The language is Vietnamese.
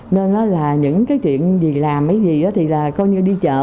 nên là những cái chuyện dì làm mấy dì thì là coi như đi chợ